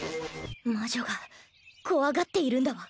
魔女が怖がっているんだわ。